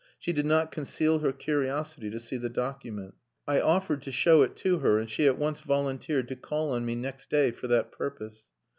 She did not conceal her curiosity to see the document. I offered to show it to her, and she at once volunteered to call on me next day for that purpose.